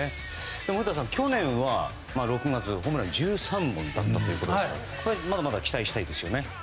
古田さん、去年は６月ホームラン３本だったですからまだまだ期待したいですね。